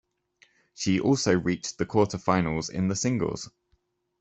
She also reached the quarter-finals in the singles.